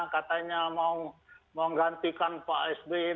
katanya mau menggantikan pak s b